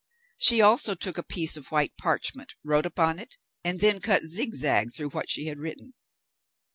She also took a piece of white parchment, wrote upon it, and then cut zigzag through what she had written.